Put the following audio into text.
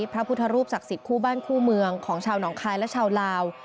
พระพุทธรูปศักดิ์สิทธิคู่บ้านคู่เมืองของชาวหนองคายและชาวลาว